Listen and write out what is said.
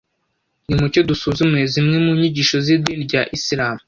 nimucyo dusuzume zimwe mu nyigisho z’idini rya Isilamu